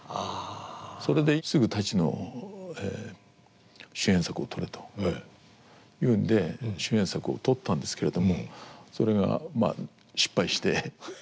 それですぐ舘の主演作を撮れというんで主演作を撮ったんですけれどもそれがまあ失敗してハハハハハ。